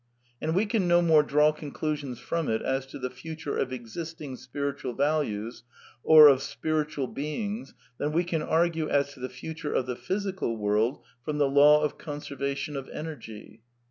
And we can no more draw conclusions from it as to the future of existing spiritual values (or of spiritual beings) than we can argue as to the future of the physical world from the law of conservation of energy.